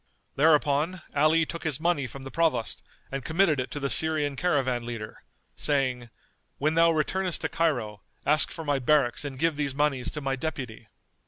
Thereupon Ali took his money from the Provost and committed it to the Syrian caravan leader, saying, "When thou returnest to Cairo, ask for my barracks and give these monies to my deputy."